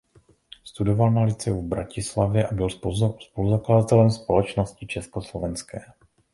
Studoval na lyceu v Bratislavě a byl spoluzakladatelem Společnosti československé.